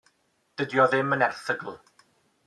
Dydy o ddim yn yr erthygl.